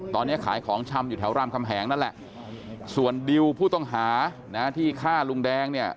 ตอนนี้ขายของชำอยู่แถวรามคำแหงนั่นแหละส่วนดิวผู้ต้องหานะที่ฆ่าลุงแดงเนี่ย